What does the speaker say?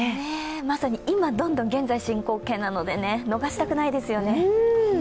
まさに今、どんどん現在進行形なので逃したくないですよね。